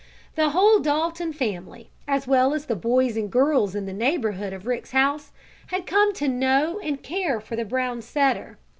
The whole Dalton family, as well as the boys and girls in the neighborhood of Rick's house, had come to know and care for the brown setter.